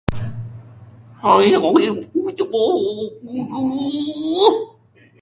The Bourbons also made the government more secular.